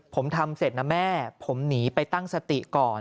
ผมทำเสร็จนะแม่ผมหนีไปตั้งสติก่อน